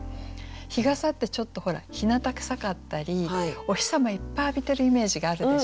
日傘ってちょっとほらひなた臭かったりお日様いっぱい浴びてるイメージがあるでしょ。